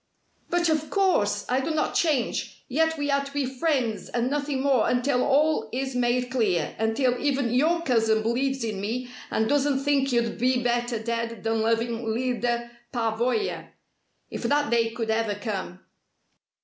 "But of course! I do not change. Yet we are to be friends and nothing more until all is made clear until even your cousin believes in me and doesn't think you'd be better dead than loving Lyda Pavoya. If that day could ever come!"